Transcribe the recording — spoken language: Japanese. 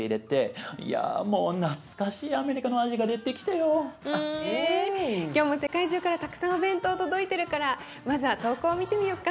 今回私がつくった今日も世界中からたくさんお弁当届いてるからまずは投稿を見てみよっか。